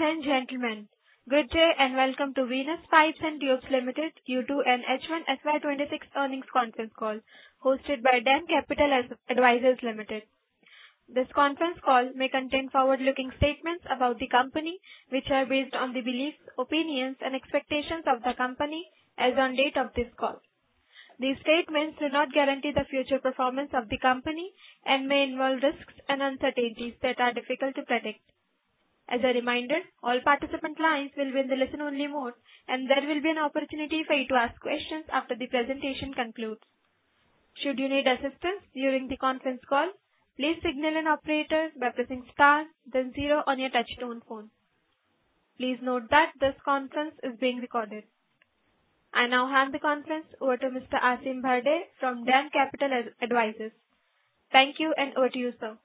Ladies and gentlemen, good day and welcome to Venus Pipes and Tubes Limited Q2 and H1 FY 2026 earnings conference call hosted by DAM Capital Advisors Limited. This conference call may contain forward-looking statements about the company, which are based on the beliefs, opinions and expectations of the company as on date of this call. These statements do not guarantee the future performance of the company and may involve risks and uncertainties that are difficult to predict. As a reminder, all participant lines will be in the listen-only mode and there will be an opportunity for you to ask questions after the presentation concludes. Should you need assistance during the conference call, please signal an operator by pressing star then zero on your touch-tone phone. Please note that this conference is being recorded. I now hand the conference over to Mr. Aasim Bharde from DAM Capital Advisors. Thank you and over to you, sir.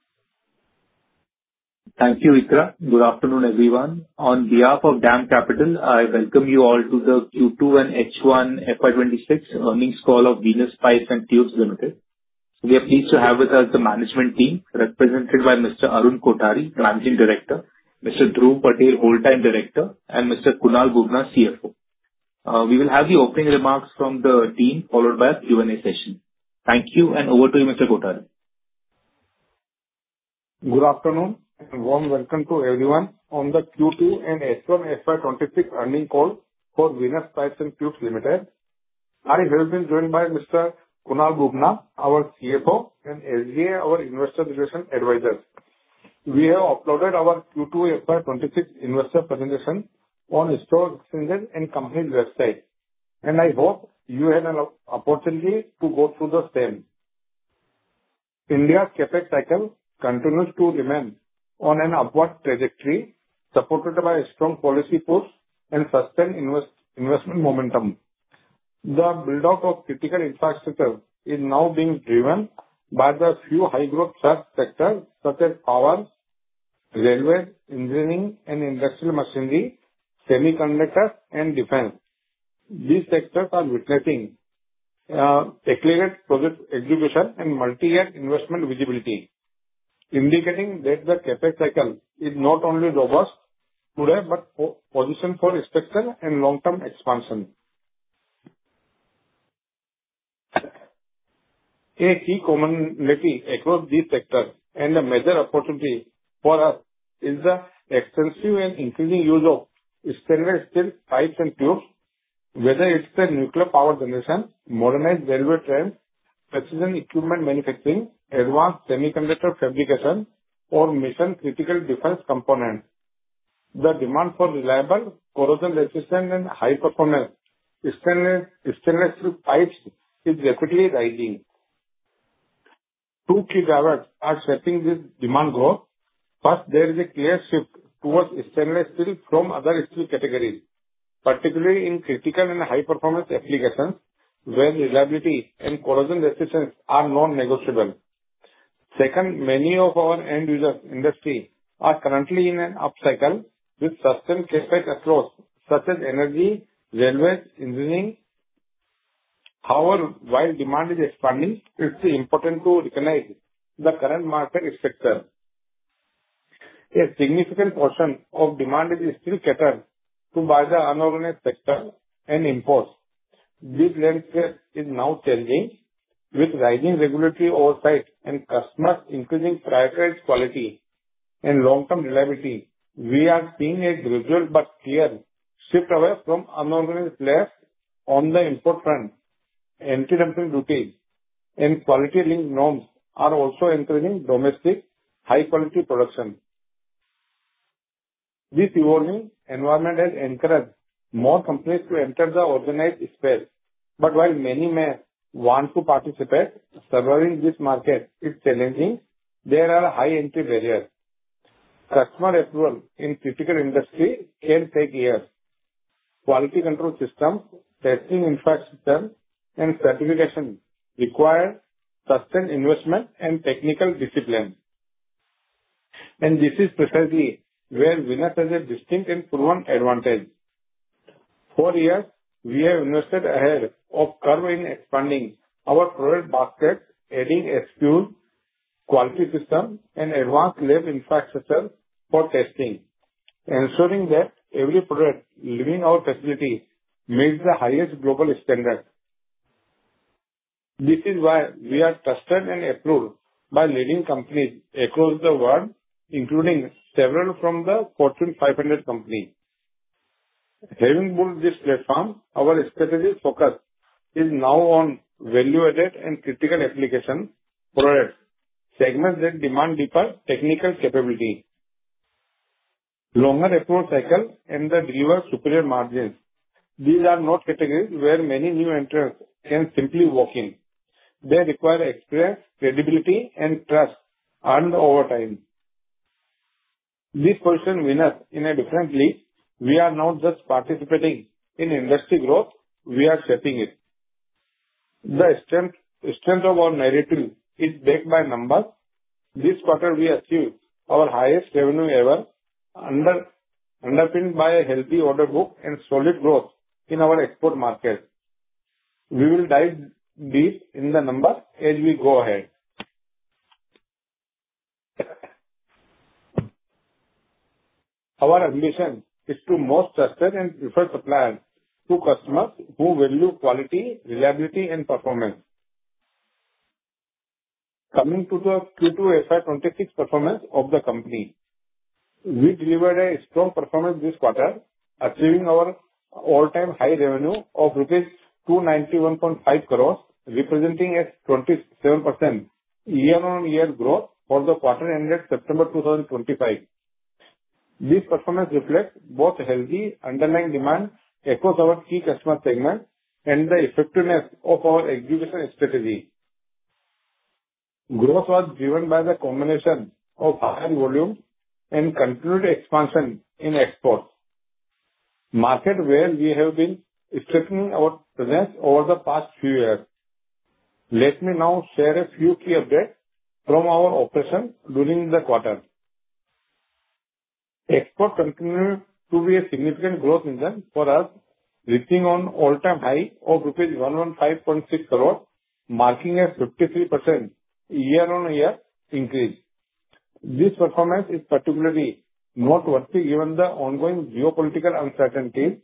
Thank you, Ikra. Good afternoon, everyone. On behalf of DAM Capital, I welcome you all to the Q2 and H1 FY 2026 earnings call of Venus Pipes and Tubes Limited. We are pleased to have with us the management team represented by Mr. Arun Kothari, Managing Director, Mr. Dhruv Patel, Whole Time Director and Mr. Kunal Bubna, CFO. We will have the opening remarks from the team, followed by a Q&A session. Thank you and over to you, Mr. Kothari. Good afternoon and warm welcome to everyone on the Q2 and H1 FY 2026 earnings call for Venus Pipes and Tubes Limited. I will be joined by Mr. Kunal Bubna, our CFO, and SGA, our investor relation advisors. We have uploaded our Q2 FY 2026 investor presentation on stock exchanges and company website, and I hope you had an opportunity to go through the same. India CapEx cycle continues to remain on an upward trajectory supported by strong policy push and sustained investment momentum. The build-out of critical infrastructure is now being driven by the few high growth sectors such as power, railway, engineering and industrial machinery, semiconductors and defense. These sectors are witnessing declared project execution and multi-year investment visibility, indicating that the CapEx cycle is not only robust today, but positioned for structural and long-term expansion. A key commonality across these sectors and a major opportunity for us is the extensive and increasing use of stainless steel pipes and tubes. Whether it's the nuclear power generation, modernized railway trains, precision equipment manufacturing, advanced semiconductor fabrication, or mission-critical defense components. The demand for reliable, corrosion-resistant and high-performance stainless steel pipes is rapidly rising. Two key drivers are shaping this demand growth. First, there is a clear shift towards stainless steel from other steel categories, particularly in critical and high-performance applications where reliability and corrosion resistance are non-negotiable. Second, many of our end-user industry are currently in an upcycle with sustained CapEx across such as energy, railways, engineering. However, while demand is expanding, it's important to recognize the current market structure. A significant portion of demand is still catered to by the unorganized sector and imports. This landscape is now changing with rising regulatory oversight and customers increasingly prioritize quality and long-term reliability. We are seeing a gradual but clear shift away from unorganized players. On the import front, anti-dumping duties and quality-linked norms are also encouraging domestic high-quality production. While many may want to participate, surviving this market is challenging. There are high entry barriers. Customer approval in critical industry can take years. Quality control systems, testing infrastructure and certification require sustained investment and technical discipline. This is precisely where Venus has a distinct and proven advantage. For years, we have invested ahead of curve in expanding our product basket, adding a stringent quality system and advanced lab infrastructure for testing, ensuring that every product leaving our facility meets the highest global standard. This is why we are trusted and approved by leading companies across the world, including several from the Fortune 500. Having built this platform, our strategic focus is now on value-added and critical application products, segments that demand deeper technical capability, longer approval cycles, and that deliver superior margins. These are not categories where many new entrants can simply walk in. They require experience, credibility and trust earned over time. This puts Venus in a different league. We are not just participating in industry growth, we are shaping it. The strength of our narrative is backed by numbers. This quarter, we achieved our highest revenue ever underpinned by a healthy order book and solid growth in our export markets. We will dive deep in the numbers as we go ahead. Our ambition is to most trusted and preferred supplier to customers who value quality, reliability, and performance. Coming to the Q2 FY 2026 performance of the company. We delivered a strong performance this quarter, achieving our all-time high revenue of rupees 291.5 crores, representing a 27% year-over-year growth for the quarter ended September 2025. This performance reflects both healthy underlying demand across our key customer segments and the effectiveness of our execution strategy. Growth was driven by the combination of higher volume and continued expansion in exports. Market where we have been strengthening our presence over the past few years. Let me now share a few key updates from our operations during the quarter. Export continues to be a significant growth engine for us, reaching an all-time high of rupees 115.6 crores, marking a 53% year-over-year increase. This performance is particularly noteworthy given the ongoing geopolitical uncertainties.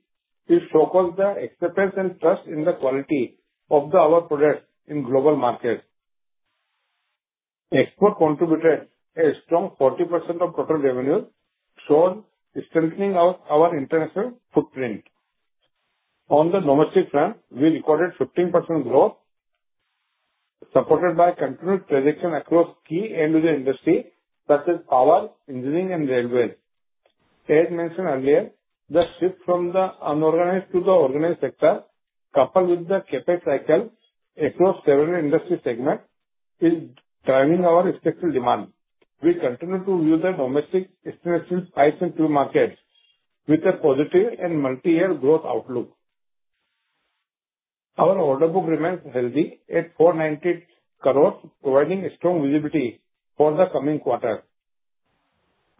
It showcases the acceptance and trust in the quality of our products in global markets. Export contributed a strong 40% of total revenue, showing strengthening of our international footprint. On the domestic front, we recorded 15% growth, supported by continued penetration across key end-user industries such as power, engineering, and railways. As mentioned earlier, the shift from the unorganized to the organized sector, coupled with the CapEx cycle across several industry segments, is driving our structural demand. We continue to view the domestic stainless steel pipes and tubes markets with a positive and multi-year growth outlook. Our order book remains healthy at 490 crores, providing strong visibility for the coming quarter.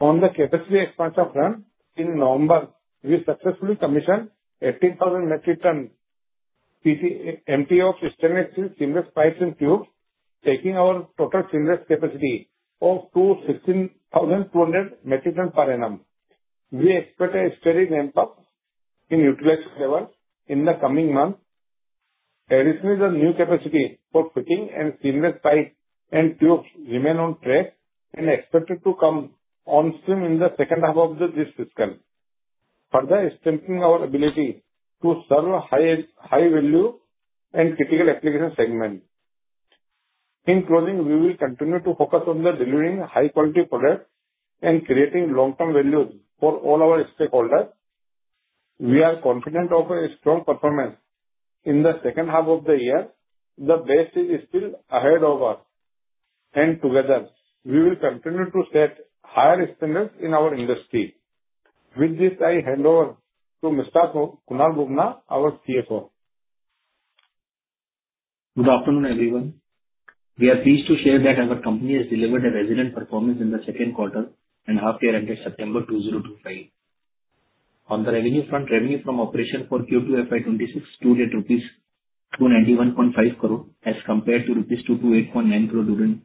On the capacity expansion front, in November, we successfully commissioned 18,000 metric ton of stainless steel seamless pipes and tubes, taking our total seamless capacity of 216,200 metric ton per annum. We expect a steady ramp-up in utilization levels in the coming months. Addition of new capacity for coating and seamless pipes and tubes remain on track and expected to come on stream in the second half of this fiscal, further strengthening our ability to serve high-value and critical application segments. In closing, we will continue to focus on delivering high quality products and creating long-term value for all our stakeholders. We are confident of a strong performance in the second half of the year. The best is still ahead of us. Together, we will continue to set higher standards in our industry. With this, I hand over to Mr. Kunal Bubna, our CFO. Good afternoon, everyone. We are pleased to share that our company has delivered a resilient performance in the second quarter and half year ended September 2025. On the revenue front, revenue from operation for Q2 FY 2026 stood at 291.5 crores as compared to 228.9 crores during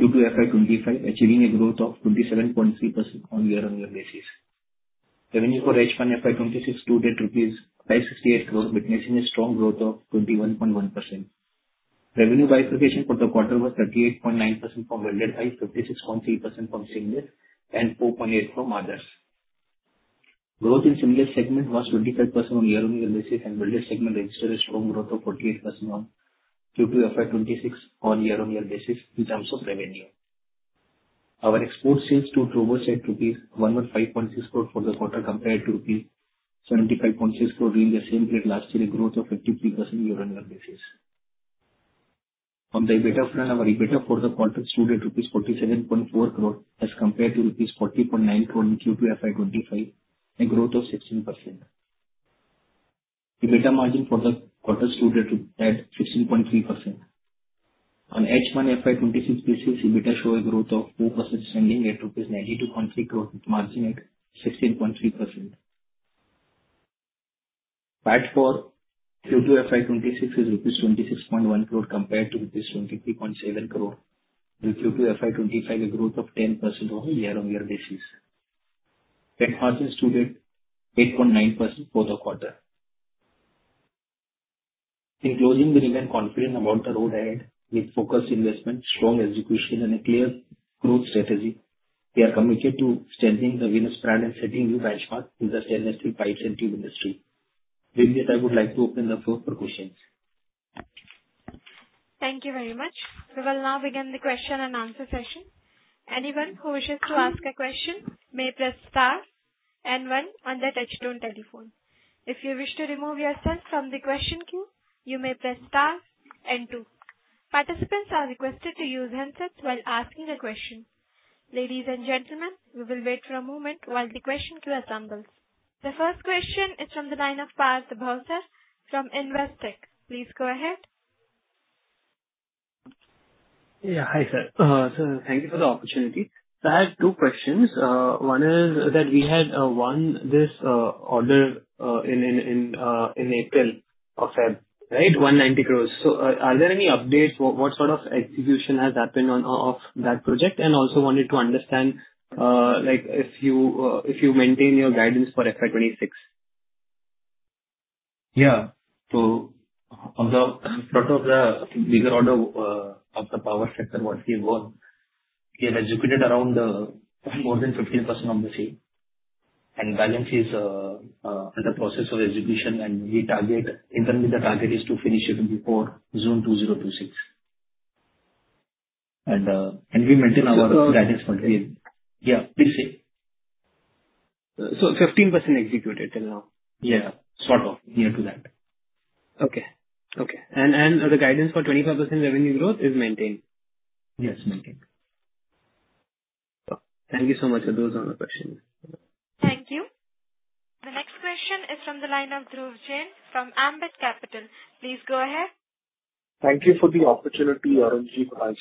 Q2 FY 2025, achieving a growth of 27.3% on year-on-year basis. Revenue for H1 FY 2026 stood at rupees 568 crores, witnessing a strong growth of 21.1%. Revenue by segmentation for the quarter was 38.9% from welded pipes, 56.3% from seamless, and 4.8 from others. Growth in seamless segment was 25% on year-on-year basis, and welded segment registered a strong growth of 48% on Q2 FY 2026 on year-on-year basis in terms of revenue. Our export sales stood over rupees 115.6 crores for the quarter compared to INR. Rupees 75.6 crores during the same period last year, a growth of 53% year-on-year basis. On the EBITDA front, our EBITDA for the quarter stood at rupees 47.4 crores as compared to rupees 40.9 crores in Q2 FY 2025, a growth of 16%. EBITDA margin for the quarter stood at 16.3%. On H1 FY 2026 basis, EBITDA show a growth of 2% standing at rupees 92.3 crores with margin at 16.3%. PAT for Q2 FY 2026 is rupees 26.1 crores compared to rupees 23.7 crores in Q2 FY 2025, a growth of 10% on a year-on-year basis. Net margin stood at 8.9% for the quarter. In closing, we remain confident about the road ahead. With focused investment, strong execution, and a clear growth strategy, we are committed to strengthening the Venus brand and setting new benchmarks in the stainless steel pipes and tube industry. With this, I would like to open the floor for questions. Thank you very much. We will now begin the question and answer session. Anyone who wishes to ask a question may press star and one on their touchtone telephone. If you wish to remove yourself from the question queue, you may press star and two. Participants are requested to use handsets while asking a question. Ladies and gentlemen, we will wait for a moment while the question queue assembles. The first question is from the line of Parth Bhalta from Investec. Please go ahead. Yeah. Hi, sir. Thank you for the opportunity. I had two questions. One is that we had won this order in April Of February, right? 190 crores. Are there any updates? What sort of execution has happened of that project? Also wanted to understand if you maintain your guidance for FY 2026. Yeah. Out of the bigger order of the power sector, what we won, we have executed around more than 15% of the same, and the balance is under process of execution. Internally, the target is to finish it before June 2026. We maintain our guidance for the year. Yeah. We'll see. 15% executed till now? Yeah. Sort of. Near to that. Okay. The guidance for 25% revenue growth is maintained? Yes, maintained. Thank you so much. Those are the questions. Thank you. The next question is from the line of Dhruv Jain from Ambit Capital. Please go ahead. Thank you for the opportunity, Arun Ji, Gopal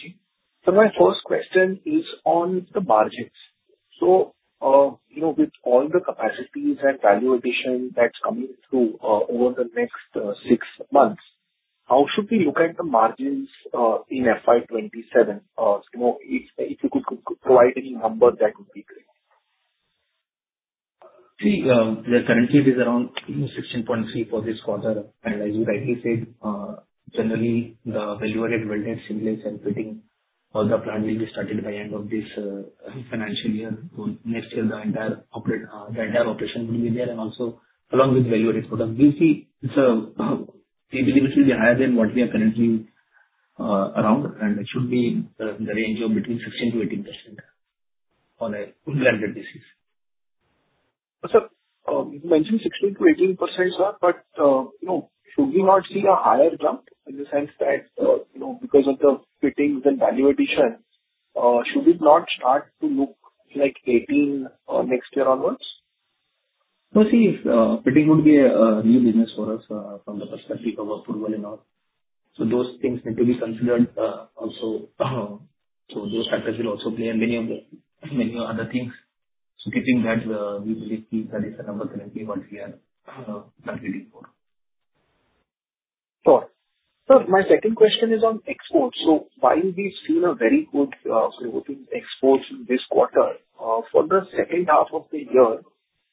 Ji. My first question is on the margins. With all the capacities and value addition that's coming through over the next six months, how should we look at the margins in FY 2027? If you could provide any number, that would be great. See, currently it is around 16.3 for this quarter. As you rightly said, generally the value-added welding, seamless and fittings, the plant will be started by end of this financial year. Next year the entire operation will be there, along with value-added products. We believe it will be higher than what we are currently around, and it should be in the range of between 16%-18% on a full blended basis. Sir, you mentioned 16%-18%. Should we not see a higher jump in the sense that because of the fittings and value addition, should it not start to look like 18 next year onwards? No. See, fitting would be a new business for us from the perspective of workflow and all. Those things need to be considered also. Those factors will also play, and many other things. Keeping that, we believe that is the number currently what we are calculating for. Sure. Sir, my second question is on exports. While we've seen very good exports this quarter, for the second half of the year,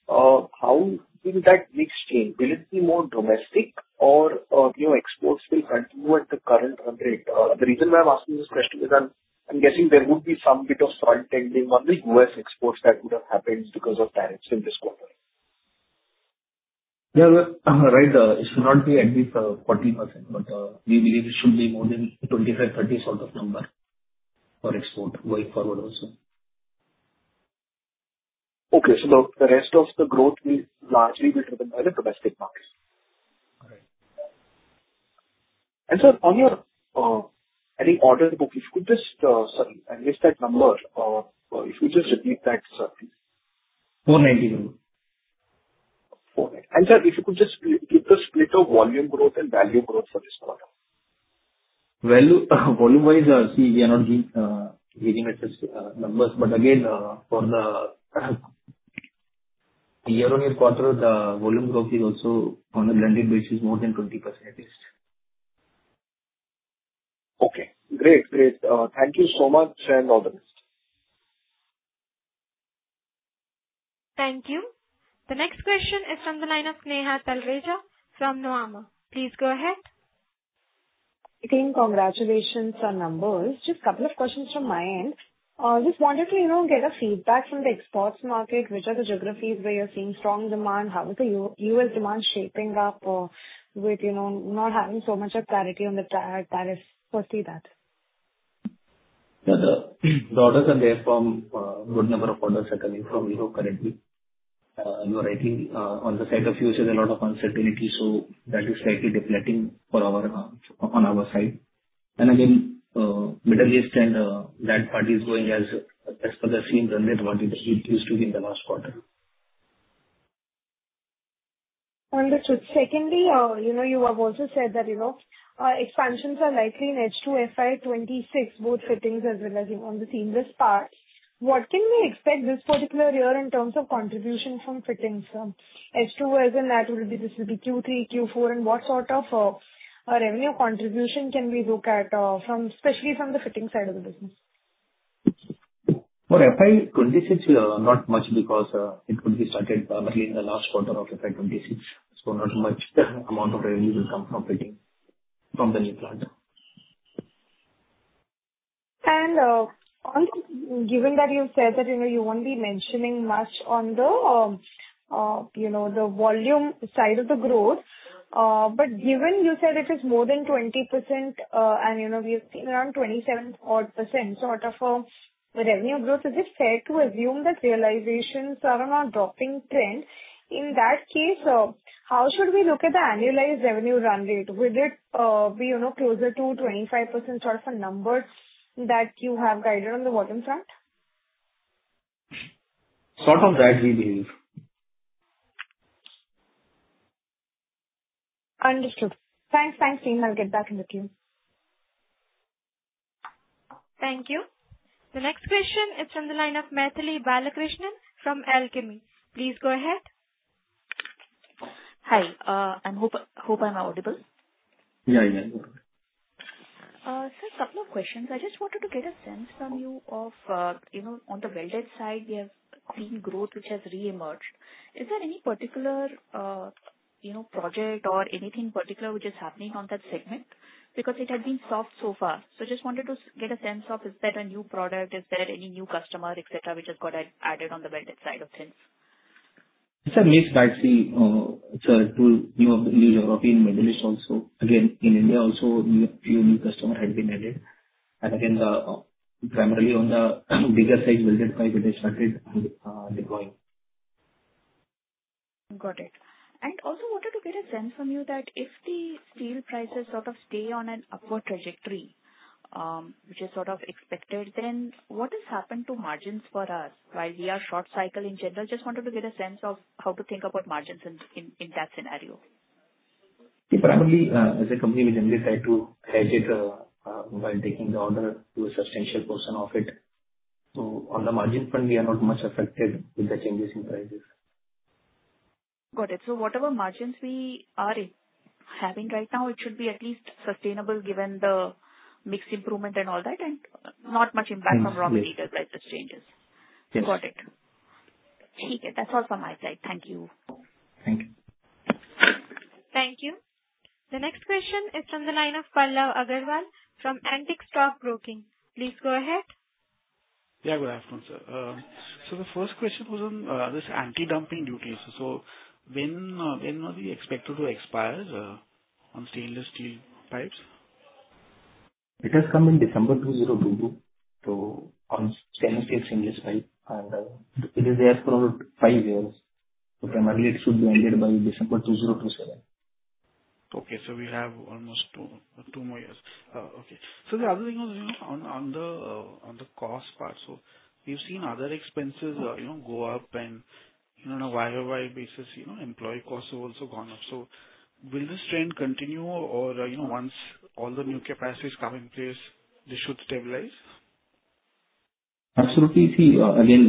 how will that mix change? Will it be more domestic or exports will continue at the current run rate? The reason why I'm asking this question is I'm guessing there would be some bit of soil testing on the U.S. exports that would have happened because of tariffs in this quarter. Yeah. Right. It should not be at least 14%, we believe it should be more than 25, 30 sort of number for export going forward also. Okay. The rest of the growth will largely be driven by the domestic market. Correct. Sir, on your adding order book, sorry, I missed that number. If you just repeat that, sir, please. 490 crores. 490. Sir, if you could just give the split of volume growth and value growth for this quarter. Volume-wise, see, we are not giving out those numbers. Again, for the year-on-year quarter, the volume growth is also on a blended basis, more than 20% at least. Okay, great. Thank you so much, and all the best. Thank you. The next question is from the line of Sneha Talreja from Nomura. Please go ahead. Again, congratulations on numbers. Just a couple of questions from my end. Just wanted to get a feedback from the exports market. Which are the geographies where you're seeing strong demand? How is the U.S. demand shaping up with not having so much of clarity on the tariffs? How is that? The orders are there from a good number of orders are coming from Europe currently. You are right, on the side of U.S., there's a lot of uncertainty, so that is slightly deflating on our side. Middle East and that part is going as per the same run rate what it used to be in the last quarter. Understood. Secondly, you have also said that expansions are likely in H2 FY 2026, both fittings as well as on the seamless part. What can we expect this particular year in terms of contribution from fittings, H2 as in that will be this will be Q3, Q4, and what sort of revenue contribution can we look at, especially from the fitting side of the business? For FY 2026, not much because it would be started probably in the last quarter of FY 2026. Not much amount of revenue will come from fittings from the new plant. Given that you said that you won't be mentioning much on the volume side of the growth, but given you said it is more than 20% and we have seen around 27% odd sort of revenue growth, is it fair to assume that realizations are on a dropping trend? In that case, how should we look at the annualized revenue run rate? Will it be closer to 25% sort of a number that you have guided on the bottom front? Sort of that, we believe. Understood. Thanks. I'll get back in the queue. Thank you. The next question is from the line of Mythili Balakrishnan from Alchemy. Please go ahead. Hi. I hope I'm audible. Yeah, you are. Sir, a couple of questions. I just wanted to get a sense from you of, on the welded side, we have seen growth, which has reemerged. Is there any particular project or anything particular which is happening on that segment? Because it had been soft so far. Just wanted to get a sense of, is that a new product? Is there any new customer, et cetera, which has got added on the welded side of things? Yes. I'll see to new European middle east also. Again, in India also, few new customer has been added. Again, primarily on the bigger side, welded pipe, it has started and deploying. Got it. Also wanted to get a sense from you that if the steel prices sort of stay on an upward trajectory, which is sort of expected, what has happened to margins for us while we are short cycle in general? Just wanted to get a sense of how to think about margins in that scenario. Primarily, as a company, we generally try to hedge it, while taking the order to a substantial portion of it. On the margin front, we are not much affected with the changes in prices. Got it. Whatever margins we are having right now, it should be at least sustainable given the mix improvement and all that, and not much impact- from raw material prices changes. Yes. Got it. That's all from my side. Thank you. Thank you. Thank you. The next question is from the line of Pallav Agarwal from Antique Stock Broking. Please go ahead. Yeah, good afternoon, sir. The first question was on this anti-dumping duties. When are we expected to expire on stainless steel pipes? It has come in December 2022, on stainless steel seamless pipe. It is there for five years. Primarily, it should be ended by December 2027. Okay. We have almost two more years. Okay. The other thing was on the cost part. We've seen other expenses go up and, on a YOY basis, employee costs have also gone up. Will this trend continue or once all the new capacities come in place, this should stabilize? Absolutely, see, again,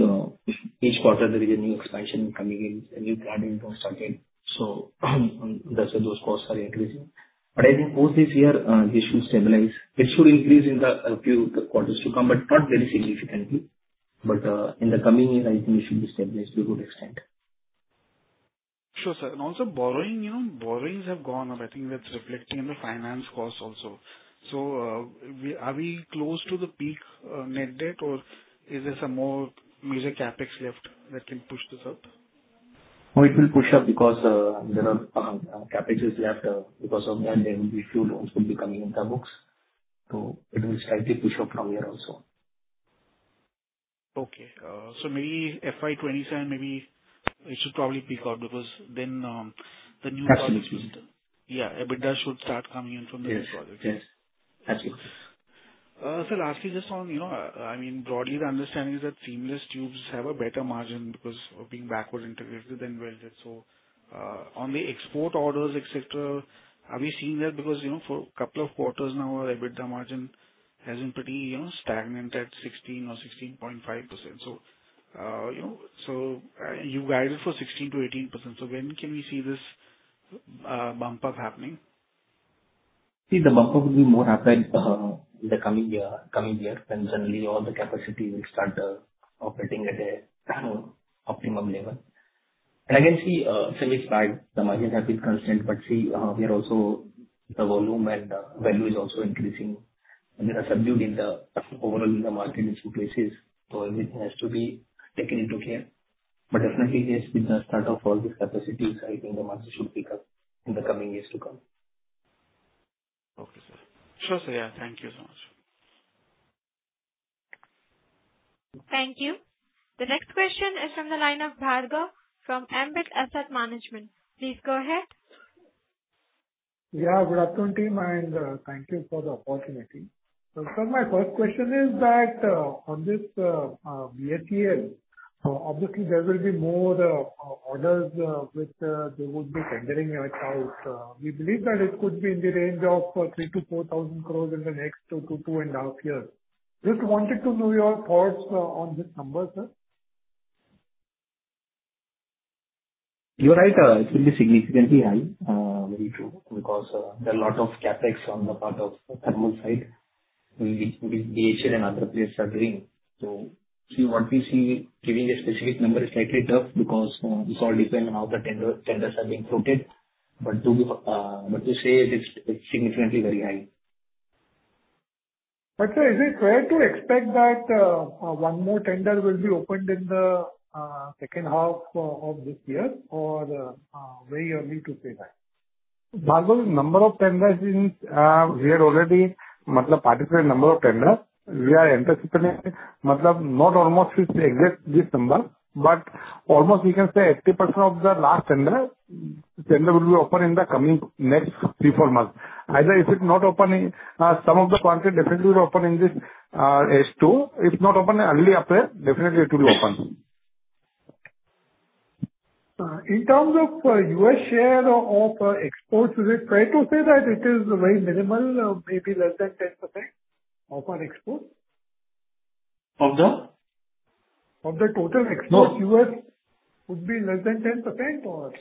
each quarter there is a new expansion coming in, a new plant being constructed, that's why those costs are increasing. I think both this year, they should stabilize. It should increase in the few quarters to come, not very significantly. In the coming year, I think it should be stabilized to a good extent. Sure, sir. Also borrowing. Borrowings have gone up. I think that's reflecting in the finance costs also. Are we close to the peak net debt or is there some more major CapEx left that can push this up? It will push up because there are CapExes left. Because of that, there will be few loans will be coming in the books. It will slightly push up from here also. Maybe FY 2027, maybe it should probably peak out because then. Absolutely. EBITDA should start coming in from the new projects. Absolutely. Sir, lastly, just on, I mean, broadly the understanding is that seamless tubes have a better margin because of being backward integrated than welded. On the export orders, et cetera, are we seeing that? Because, for couple of quarters now, our EBITDA margin has been pretty stagnant at 16 or 16.5%. You guided for 16%-18%. When can we see this bump up happening? See, the bump up will be more apparent in the coming year, when generally all the capacity will start operating at a optimum level. Again, see, seamless pipe, the margins have been constant. See, here also the volume and value is also increasing. They are subdued in the overall in the margin in two places. Everything has to be taken into care. Definitely, yes, with the start of all this capacity, I think the margin should pick up in the coming years to come. Okay, sir. Sure, sir. Thank you so much. Thank you. The next question is from the line of Bhargav from Ambit Asset Management. Please go ahead. Yeah, good afternoon, team, and thank you for the opportunity. Sir, my first question is that on this VAT, obviously there will be more orders which they would be tendering accounts. We believe that it could be in the range of 3,000 crore-4,000 crore in the next two to two and a half years. Just wanted to know your thoughts on this number, sir. You're right. It will be significantly high. Very true, because there are a lot of CapEx on the part of the thermal side with Asian and other players are doing. What we see giving a specific number is slightly tough because this all depend on how the tenders are being floated. To say it is significantly very high. Sir, is it fair to expect that one more tender will be opened in the second half of this year or very early to say that? Bhargav, number of tenders we had already participated number of tenders. We are anticipating not almost which to exact this number, but almost we can say 80% of the last tender will be open in the coming next three, four months. Is it not open in some of the quantity definitely will open in this H2. If not open early April, definitely it will be open. In terms of U.S. share of exports, is it fair to say that it is very minimal, maybe less than 10% of our exports? Of the? Of the total exports. No. U.S. would be less than 10% or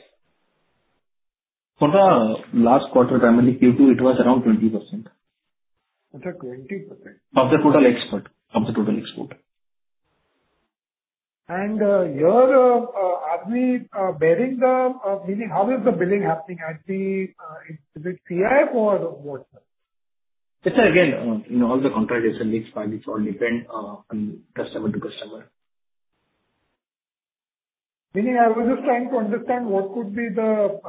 For the last quarter, primarily Q2, it was around 20%. It was at 20%? Of the total export. Here, are we bearing How is the billing happening? Is it CIF or what, sir? It's, again, all the contracts are case by case. It depends on customer to customer. Meaning, I was just trying to understand what could be the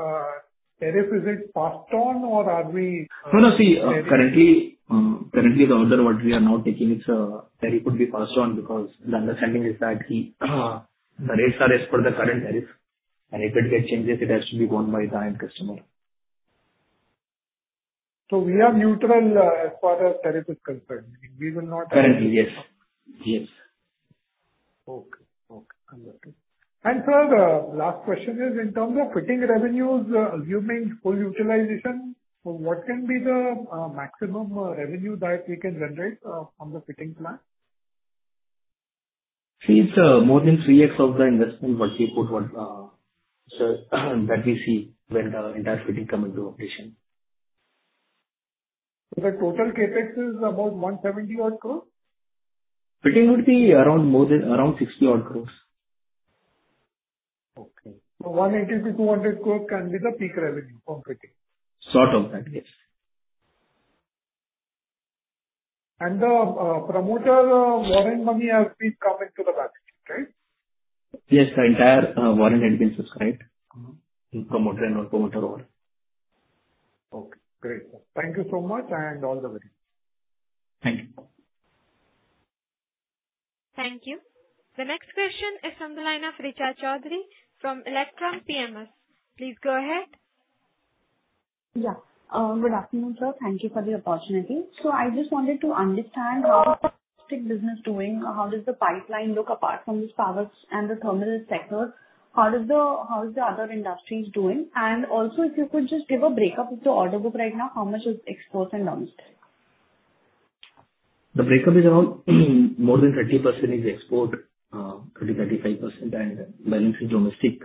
tariff. Is it passed on? No, see, currently, the order what we are now taking, its tariff would be passed on because the understanding is that the rates are as per the current tariff. If it gets changes, it has to be borne by the end customer. We are neutral as far as tariff is concerned. Currently, yes. Okay. I got it. Sir, the last question is in terms of fitting revenues, assuming full utilization, what can be the maximum revenue that we can generate from the fitting plant? It's more than 3x of the investment what we put on. That we see when the entire fitting come into operation. The total CapEx is about $170 odd crores? Fitting would be around $60 odd crores. Okay. 180 crores-200 crores can be the peak revenue from fitting. Sort of that, yes. The promoter warrant money has been come into the basket, right? Yes, the entire warrant has been subscribed. In promoter and non-promoter world. Okay, great. Thank you so much and all the best. Thank you. Thank you. The next question is from the line of Richa Chaudhary from Electrum PMS. Please go ahead. Yeah. Good afternoon, sir. Thank you for the opportunity. I just wanted to understand how is the business doing. How does the pipeline look apart from this power and the thermal sector, how is the other industries doing? Also, if you could just give a breakup of the order book right now, how much is exports and domestic? The breakup is around more than 30% is export, 30%-35%, and balance is domestic.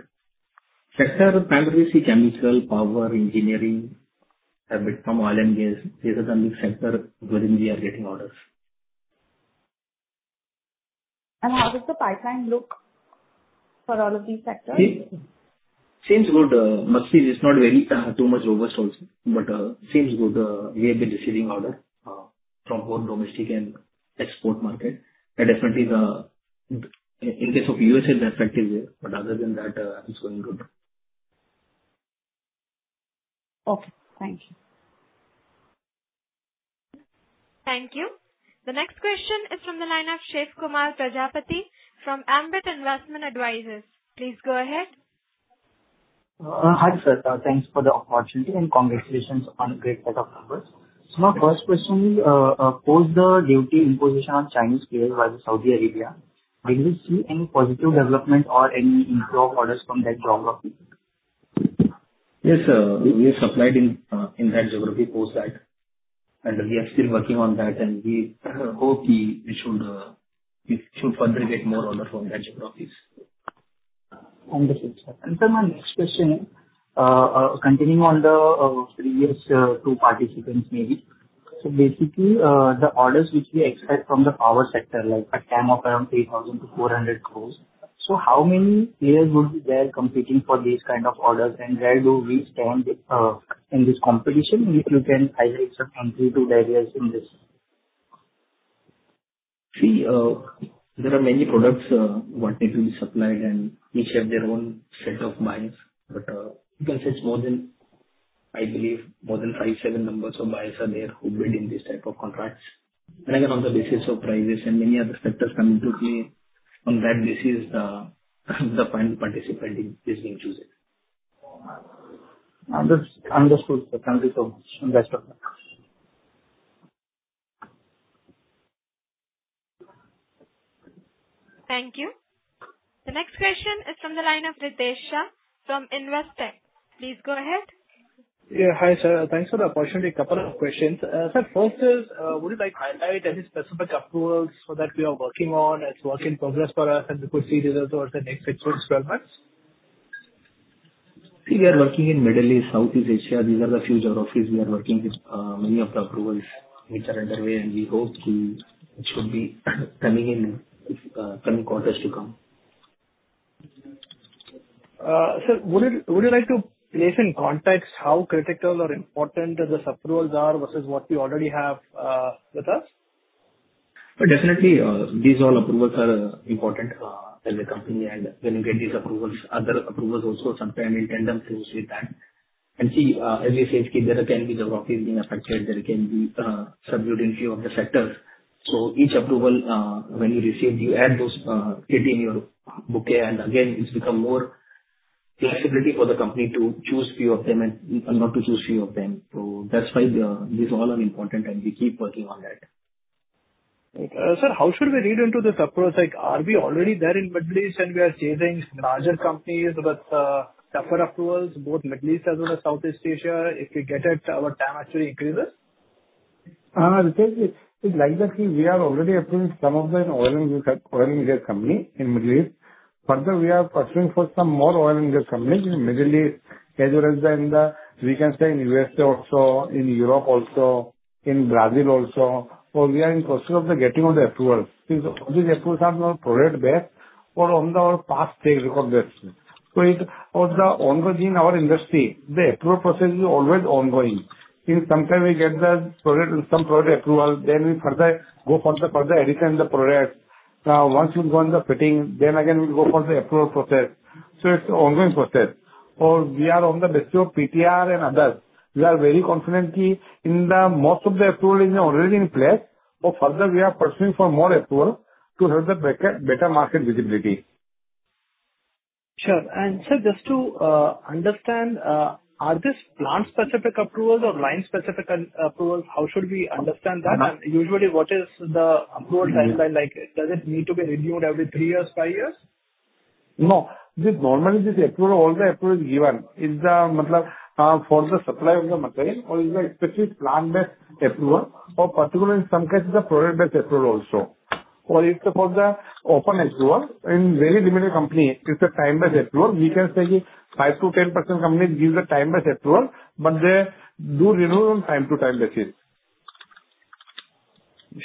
Sector, primarily see chemical, power, engineering, a bit from oil and gas. These are the mix sector within we are getting orders. How does the pipeline look for all of these sectors? Seems good. Mostly it is not very, too much robust also, but seems good. We have been receiving order from both domestic and export market. Definitely the, in case of U.S.A., it is definitely there. Other than that, it is going good. Okay. Thank you. Thank you. The next question is from the line of Shiv Kumar Prajapati from Ambit Investment Advisors. Please go ahead. Hi, sir. Thanks for the opportunity, and congratulations on a great set of numbers. My first question will be, post the duty imposition on Chinese players by the Saudi Arabia, will you see any positive development or any inflow of orders from that geography? Yes, we have supplied in that geography post that, and we are still working on that, and we hope we should further get more orders from that geographies. Understood, sir. Sir, my next question, continuing on the previous two participants maybe. Basically, the orders which we expect from the power sector, like a TAM of around 3,400 crores. How many players would be there competing for these kind of orders, and where do we stand in this competition? If you can highlight some key two drivers in this. See, there are many products what need to be supplied, and each have their own set of buyers. But you can say it's more than, I believe, more than 5, 7 numbers of buyers are there who bid in this type of contracts. Again, on the basis of prices and many other factors come into play. From that basis, the final participant is being chosen. Understood, sir. Thank you so much, and best of luck. Thank you. The next question is from the line of Ritesh Shah from Investec. Please go ahead. Yeah. Hi, sir. Thanks for the opportunity. A couple of questions. Sir, first is, would you like highlight any specific approvals for that we are working on as work in progress for us and we could see results over the next six to 12 months? See, we are working in Middle East, Southeast Asia. These are the few geographies we are working with. Many of the approvals which are underway, we hope it should be coming in coming quarters to come. Sir, would you like to place in context how critical or important these approvals are versus what we already have with us? Definitely, these all approvals are important as a company, and when you get these approvals, other approvals also sometimes in tandem comes with that. See, as we said, there can be geographies being affected, there can be subdued in few of the sectors. Each approval, when you receive, you add those, fit in your bouquet, and again, it becomes more flexibility for the company to choose few of them and not to choose few of them. That's why these all are important, and we keep working on that. Sir, how should we read into this approval? Are we already there in Middle East and we are chasing larger companies with tougher approvals, both Middle East as well as Southeast Asia, if we get it, our TAM actually increases? Ritesh, like that we are already approving some of the oil and gas companies in Middle East. Further, we are pursuing for some more oil and gas companies in Middle East as well as in the, we can say in USA also, in Europe also, in Brazil also. We are in pursuit of the getting of the approvals because these approvals are not product-based or on the past track records. In our industry, the approval process is always ongoing. Sometimes we get some product approval, we further go for the addition in the product. Once we go in the fitting, again, we go for the approval process. It's ongoing process. We are on the basis of PTR and others. We are very confident that most of the approval is already in place. Further we are pursuing for more approval to have the better market visibility. Sure. Sir, just to understand, are these plant specific approvals or line specific approvals? How should we understand that? Usually, what is the approval timeline like? Does it need to be renewed every three years, five years? Normally this approval, all the approval is given. It's for the supply of the material or it's a specific plant-based approval or particularly in some cases, the product-based approval also. It's for the open approval. In very limited company, it's a time-based approval. We can say 5%-10% companies give the time-based approval, but they do renew on time to time basis.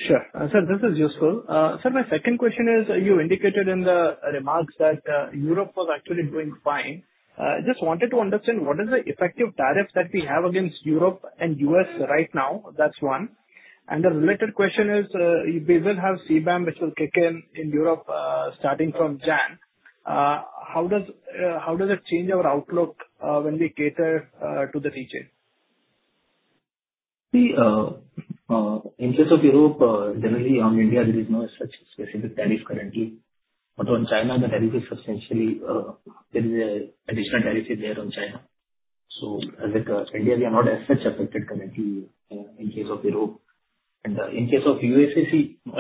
Sure. Sir, this is useful. Sir, my second question is, you indicated in the remarks that Europe was actually doing fine. Just wanted to understand what is the effective tariff that we have against Europe and U.S. right now? That's one. The related question is, we will have CBAM which will kick in in Europe starting from January. How does it change our outlook when we cater to the region? In case of Europe, generally on India, there is no such specific tariff currently. On China, the tariff is substantially, there is additional tariff there on China. As India, we are not as such affected currently in case of Europe. In case of USA,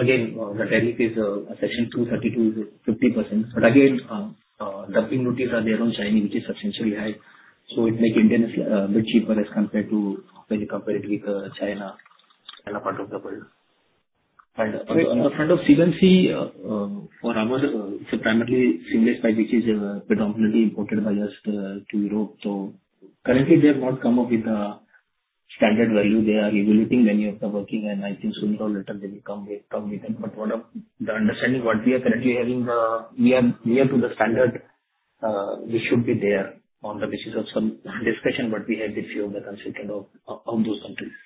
again, the tariff is a Section 232 is 50%. Again, anti-dumping duties are there on China, which is substantially high. It make Indian a bit cheaper as compared to when you compare it with China and other part of the world. On the front of CBAM, for ours, it's primarily stainless pipe which is predominantly imported by us to Europe. Currently they have not come up with the standard value. They are evaluating many of the working and I think sooner or later they will come with it. One of the understanding what we are currently having, we are near to the standard. We should be there on the basis of some discussion what we had with few of the constituents of those countries.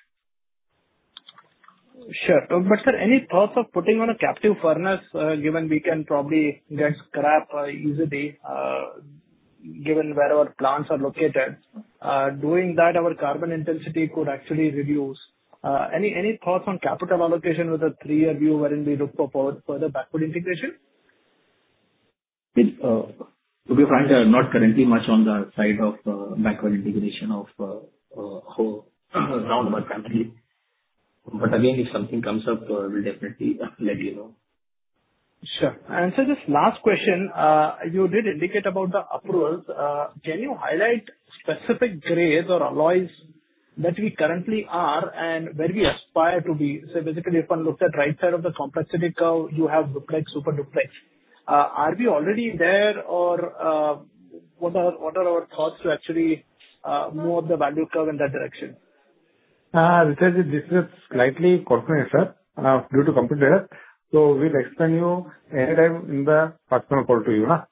Sure. Sir, any thoughts of putting on a captive furnace, given we can probably get scrap easily given where our plants are located. Doing that, our carbon intensity could actually reduce. Any thoughts on capital allocation with a three-year view wherein we look for further backward integration? To be frank, not currently much on the side of backward integration of whole around our company. Again, if something comes up, we'll definitely let you know. Sure. Sir, just last question. You did indicate about the approvals. Can you highlight specific grades or alloys that we currently are and where we aspire to be? Basically, if one looks at right side of the complexity curve, you have duplex, super duplex. Are we already there? Or what are our thoughts to actually move the value curve in that direction? Ritesh, this is slightly confidential, sir, due to competitor. We'll explain you anytime in the personal call to you. Sure.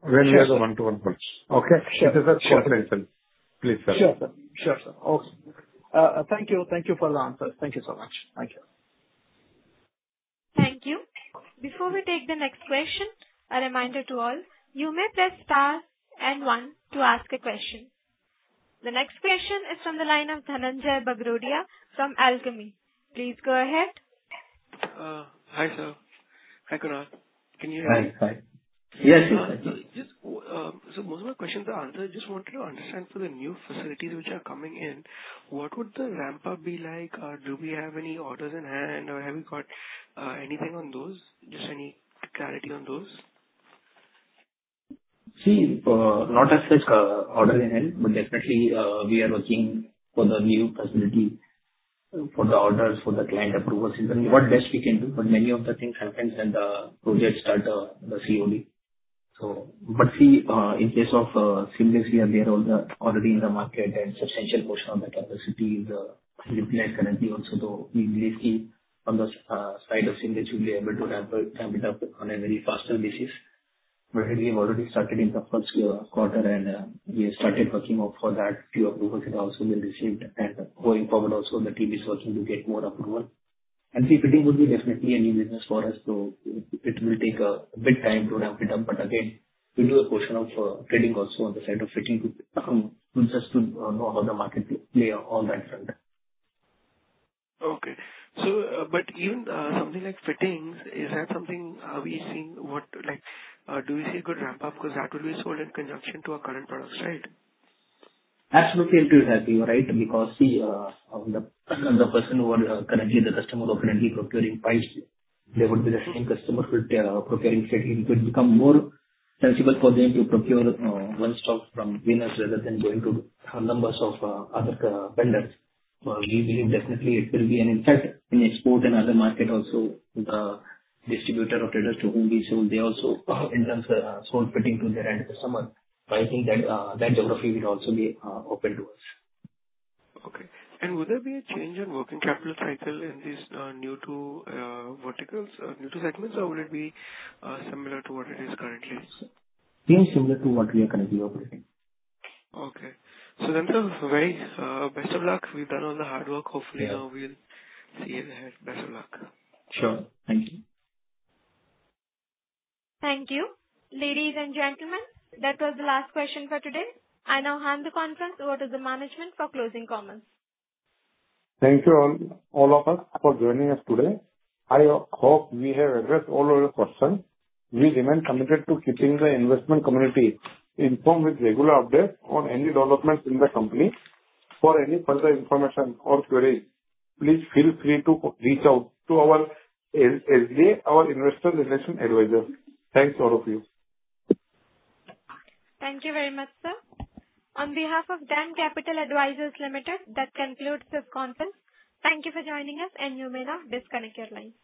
When we have the one-to-one call. Okay? Sure. This is a confidential, please. Sure, sir. Sure, sir. Okay. Thank you. Thank you for the answers. Thank you so much. Thank you. Thank you. Before we take the next question, a reminder to all, you may press star and one to ask a question. The next question is from the line of Dhananjai Bagrodia from Alchemy. Please go ahead. Hi, sir. Hi, Kunal. Can you hear me? Hi. Hi. Yes. Most of my questions are answered. Just wanted to understand for the new facilities which are coming in, what would the ramp-up be like? Do we have any orders in hand or have you got anything on those? Just any clarity on those. Not as such order in hand, definitely, we are looking for the new facility for the orders, for the client approvals and what best we can do. Many of the things happens when the projects start, the CEOV. In case of stainless steel, they are already in the market and substantial portion of the capacity is utilized currently also, we believe on the side of stainless steel, we'll be able to ramp it up on a very faster basis. We have already started in the first quarter and we have started working for that few approvals have also been received and going forward also, the team is also to get more approval. Fitting would be definitely a new business for us, it will take a bit time to ramp it up. We'll do a portion of fitting also on the side of fitting to just to know how the market play on that front. Even something like fittings, is that something we see, do we see a good ramp-up because that will be sold in conjunction to our current products, right? Absolutely, it will have to be, right? The person who are currently the customer of Venus procuring pipes, they would be the same customer who would be procuring fittings. It would become more sensible for them to procure one stock from Venus rather than going to numbers of other vendors. We believe definitely it will be an impact in export and other market also, the distributor or traders to whom we sell, they also in turn sell fitting to their end customer. I think that geography will also be open to us. Okay. Would there be a change in working capital cycle in these new two segments, or would it be similar to what it is currently? It will be similar to what we are currently operating. Okay. Sir, very best of luck. We've done all the hard work. Hopefully now we'll see it ahead. Best of luck. Sure. Thank you. Thank you. Ladies and gentlemen, that was the last question for today. I now hand the conference over to the management for closing comments. Thank you all of us for joining us today. I hope we have addressed all of your questions. We remain committed to keeping the investment community informed with regular updates on any developments in the company. For any further information or queries, please feel free to reach out to our SGA, our Investor Relation Advisor. Thanks all of you. Thank you very much, sir. On behalf of DAM Capital Advisors Limited, that concludes this conference. Thank you for joining us and you may now disconnect your lines.